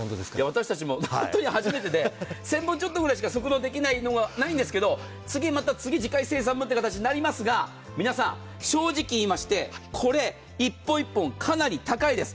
私たちも本当に初めてで１０００本ちょっとぐらいしか即納できるのはないんですけど次、また次回生産という形になりますが皆さん、正直言いましてこれ、１本１本かなり高いです。